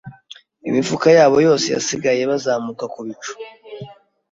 imifuka yabo yose yasigaye Bazamuka ku bicu